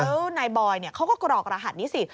แล้วนายบอยเขาก็กรอกรหัสนี้สิ